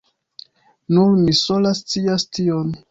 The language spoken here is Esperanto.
Nur mi sola scias tion.